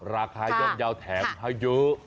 ราคายอมเยาะแถมให้อยู่